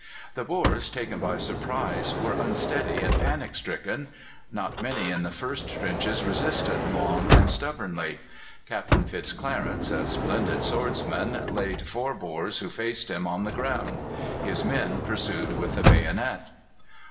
The Boers, taken by surprise, were unsteady and panic struck; not many in the first trenches resisted long and stubbornly. Captain Fitzclarence, a splendid swordsman, laid four Boers who faced him on the ground; his men pursued with the bayonet.